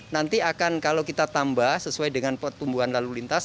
nanti akan kalau kita tambah sesuai dengan pertumbuhan lalu lintas